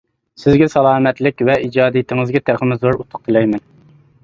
سىزگە سالامەتلىك ۋە ئىجادىيىتىڭىزگە تېخىمۇ زور ئۇتۇق تىلەيمەن.